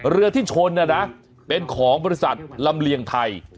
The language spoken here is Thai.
เรือที่ชนเป็นของบริษัทลำเลียงไทย